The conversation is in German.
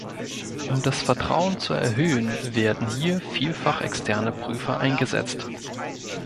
Um das Vertrauen zu erhöhen werden hier vielfach externe Prüfer eingesetzt.